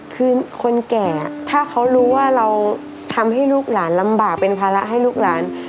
คือคนแก่ถ้าเขารู้ว่าเราทำให้ลูกหลานลำบากเป็นภาระให้ลูกหลาน